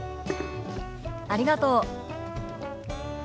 ありがとう。